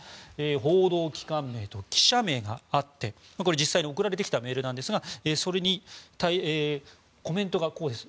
報道機関名と記者名があってこれは実際に送られてきたメールなんですがそれにコメントがこうです。